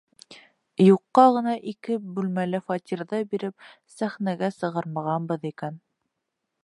Юҡҡа ғына ике бүлмәле фатирҙы биреп сәхнәгә сығармағанбыҙ икән.